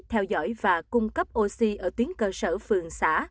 theo dõi và cung cấp oxy ở tuyến cơ sở phường xã